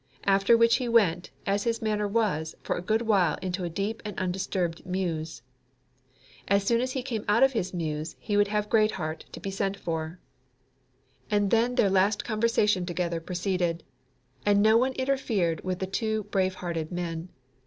After which he went, as his manner was, for a good while into a deep and undisturbed muse. As soon as he came out of his muse he would have Greatheart to be sent for. And then their last conversation together proceeded. And no one interfered with the two brave hearted men.